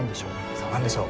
さあ何でしょう？